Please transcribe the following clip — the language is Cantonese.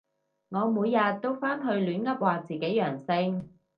我每日都返去亂噏話自己陽性